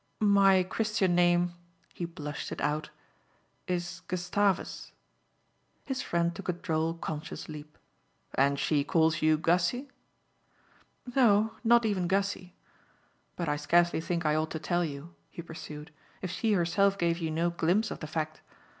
"My Christian name" he blushed it out "is Gustavus." His friend took a droll conscious leap. "And she calls you Gussy?" "No, not even Gussy. But I scarcely think I ought to tell you," he pursued, "if she herself gave you no glimpse of the fact.